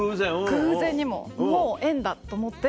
偶然にももう縁だと思って。